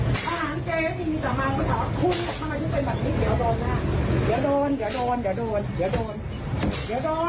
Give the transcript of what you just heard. เดี๋ยวโดนอย่าโดนอย่าโดนอย่าโดนอย่าโดนอย่าโดน